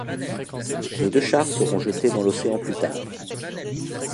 Les deux chars seront jetés dans l'océan plus tard.